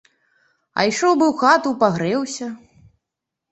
А ішоў бы ў хату пагрэўся.